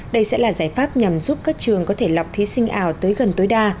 đây sẽ là giải pháp nhằm giúp các trường có thể lọc thí sinh ảo tới gần tối đa